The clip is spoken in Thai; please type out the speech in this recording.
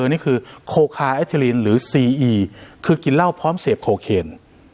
นี่คือโคคาแอคเทอลินหรือซีอีคือกินเหล้าพร้อมเสพโคเคน